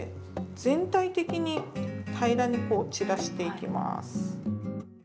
全体的に平らに散らしていきます。